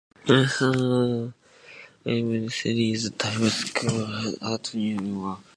Wasson created the animated series "Time Squad" at Cartoon Network.